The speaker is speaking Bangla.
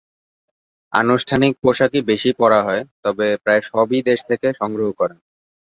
আনুষ্ঠানিক পোশাকই বেশি পরা হয়, তবে প্রায় সবই দেশ থেকে সংগ্রহ করেন।